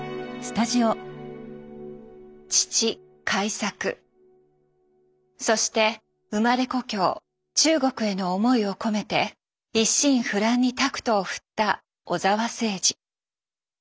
父開作そして生まれ故郷中国への思いを込めて一心不乱にタクトを振った小澤征爾。